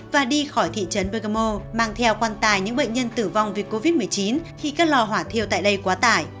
và đi khỏi thị trấn begamo mang theo quan tài những bệnh nhân tử vong vì covid một mươi chín khi các lò hỏa thiêu tại đây quá tải